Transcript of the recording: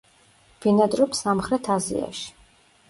ბინადრობს სამხრეთ აზიაში.